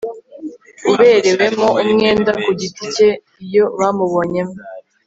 uberewemo umwenda ku giti cye iyo bamubonye